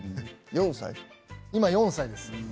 今、４歳です。